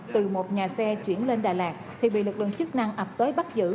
từ một nhà xe chuyển lên đà lạt thì bị lực lượng chức năng ập tới bắt giữ